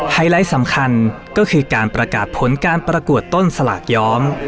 ไลท์สำคัญก็คือการประกาศผลการประกวดต้นสลากย้อม